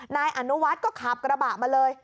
นายอนุวัฒน์ก็ขับกระบะมาเลย